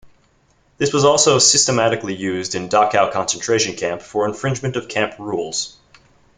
This was also systematically used in Dachau Concentration Camp for infringement of camp rules.